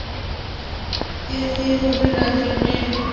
এ বিয়ে হবে না, জিমি!